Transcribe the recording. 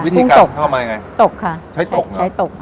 วิธีการเข้ามายังไงตกค่ะใช้ตกค่ะใช้ตก